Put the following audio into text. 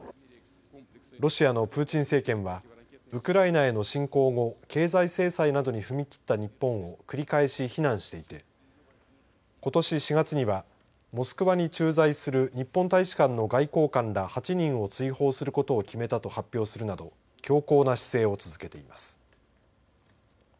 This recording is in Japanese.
ロシアのプーチン政権はウクライナへの侵攻後経済制裁などに踏み切った日本を繰り返し非難していてことし４月にはモスクワに駐在する日本大使館の外交官ら８人を追放することを決めたと発表するなど強硬な姿勢を続けています。